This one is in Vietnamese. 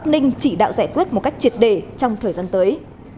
ninh chỉ đạo giải quyết một cách triệt đề trong thời gian tới